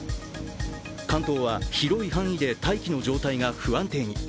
関東は広い範囲で大気の状態が不安定に。